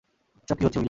এসব কী হচ্ছে, উইল?